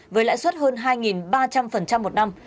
với lãi suất hơn hai ba trăm linh một năm